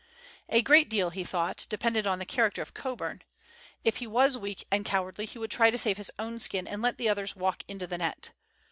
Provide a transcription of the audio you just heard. A great deal, he thought, depended on the character of Coburn. If he was weak and cowardly he would try to save his own skin and let the others walk into the net.